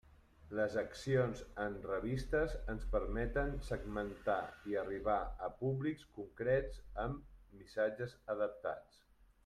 Les accions en revistes ens permeten segmentar i arribar a públics concrets amb missatges adaptats.